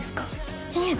しちゃえば？